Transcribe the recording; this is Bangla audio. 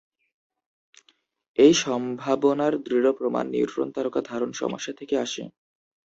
এই সম্ভাবনার দৃঢ় প্রমাণ "নিউট্রন তারকা ধারণ সমস্যা" থেকে আসে।